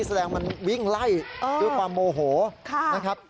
แสดงว่ามันวิ่งไล่คือประโมโหนะครับ